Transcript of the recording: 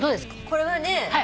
これはね